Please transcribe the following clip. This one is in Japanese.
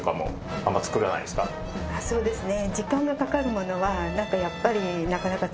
そうですね。